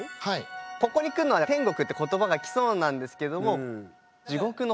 ここに来んのは天国って言葉が来そうなんですけども「地獄の方が」。